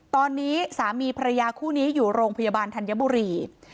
ตอนนี้สามีภรรยาคู่นี้อยู่โรงพยาบาลธัญบุรี